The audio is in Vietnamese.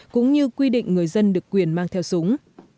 cũng như quy định người dân được quyền mang theo súng